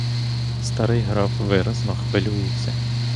Старий граф виразно хвилюється.